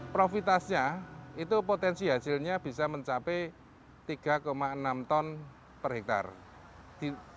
profitasnya itu potensi hasilnya bisa mencapai tiga enam ton per hektare